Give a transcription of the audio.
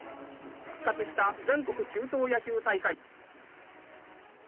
復活した全国中等野球大会。